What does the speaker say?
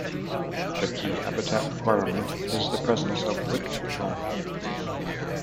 The key habitat requirement is the presence of wych elm.